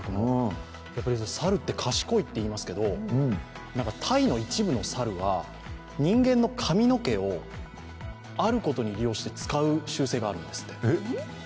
猿って賢いっていいますけど、タイの一部の猿は人間の髪の毛をあることに利用して使う習性があるんですって。